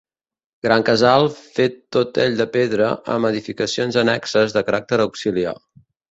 Gran casal fet tot ell de pedra, amb edificacions annexes de caràcter auxiliar.